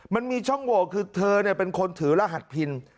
มันมีช่องโหวคือเธอเป็นคนถือรหัสพิน